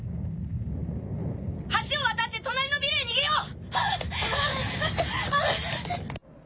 橋を渡って隣のビルへ逃げよう！